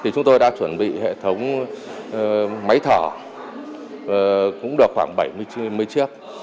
chúng tôi đã chuẩn bị hệ thống máy thở cũng được khoảng bảy mươi chiếc